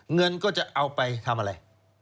เงินก็จะเอาไปทำอะไร